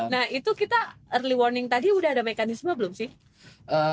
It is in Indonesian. nah itu kita early warning tadi udah ada mekanisme belum sih